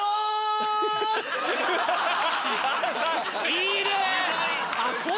いいね！